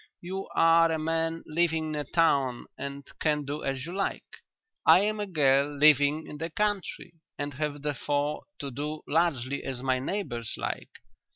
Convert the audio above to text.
"You are a man living in a town and can do as you like. I am a girl living in the country and have therefore to do largely as my neighbours like.